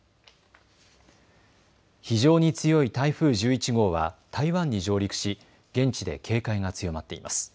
非常に強い台風１１号は台湾に上陸し、現地で警戒が強まっています。